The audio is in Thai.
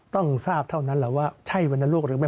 ต้องทราบเท่านั้นแหละว่าใช่วรรณโรคหรือไม่